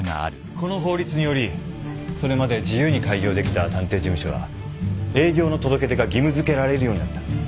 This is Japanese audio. この法律によりそれまで自由に開業できた探偵事務所は営業の届け出が義務付けられるようになった。